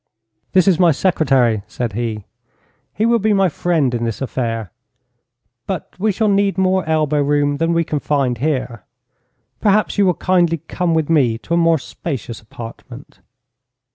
'This is my secretary,' said he. 'He will be my friend in this affair. But we shall need more elbow room than we can find here. Perhaps you will kindly come with me to a more spacious apartment.'